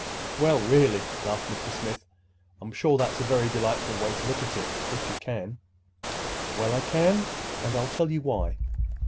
"Well, really," laughed Mr. Smith; "I'm sure that's a very delightful way to look at it—if you can." "Well, I can; and I'll tell you why.